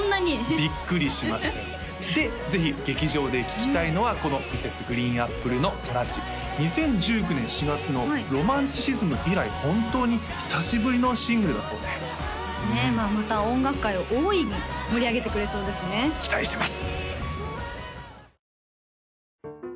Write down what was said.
ビックリしましたよでぜひ劇場で聴きたいのはこのＭｒｓ．ＧＲＥＥＮＡＰＰＬＥの「Ｓｏｒａｎｊｉ」２０１９年４月の「ロマンチシズム」以来本当に久しぶりのシングルだそうですそうなんですねまた音楽界を大いに盛り上げてくれそうですね期待してます